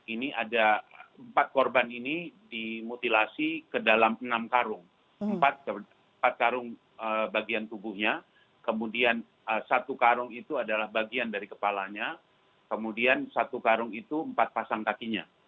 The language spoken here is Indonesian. ini ada empat korban ini dimutilasi ke dalam enam karung empat karung bagian tubuhnya kemudian satu karung itu adalah bagian dari kepalanya kemudian satu karung itu empat pasang kakinya